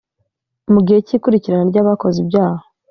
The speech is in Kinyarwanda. Mu gihe cy ikurikirana rya bakoze ibyaha